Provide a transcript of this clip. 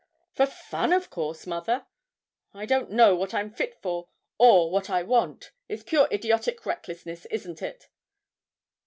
'For fun, of course, mother. I don't know what I'm fit for or what I want; it's pure idiotic recklessness, isn't it?'